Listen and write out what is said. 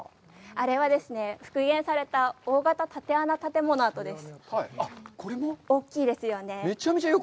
あれはですね、復元された大型竪穴建物です。